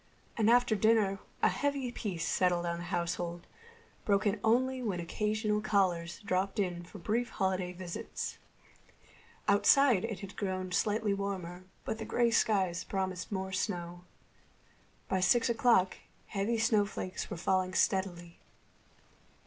And after dinner a heavy peace settled on the household, broken only when occasional callers dropped in for brief holiday visits. Outside it had grown slightly warmer, but the gray sky promised more snow. By six o'clock heavy snowflakes were falling steadily.